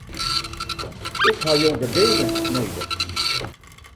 Ik ha jo gegevens nedich.